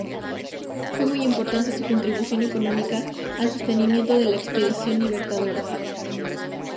Fue muy importante su contribución económica al sostenimiento de la Expedición Libertadora.